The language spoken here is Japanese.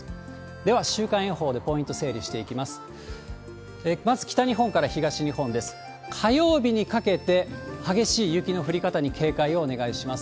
では週間予報でポイント整理していきます。